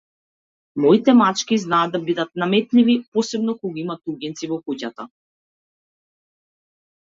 Моите мачки знаат да бидат наметливи, посебно кога има туѓинци во куќата.